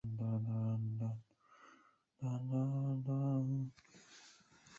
不标注声调会导致在书写时理困难。